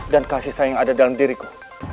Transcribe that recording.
dan kasih sayang yang ada dalam diriku